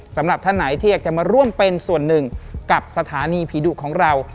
สำหรับท่านไหนที่อยากจะมาร่วมเป็นส่วนหนึ่งกับสถานีผีดุของเรา